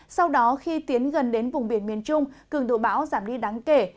sau đó khi tiến gần đến vùng biển miền trung cường độ bão giảm đi đáng kể